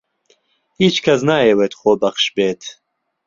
هیچ کەس نایەوێت خۆبەخش بێت.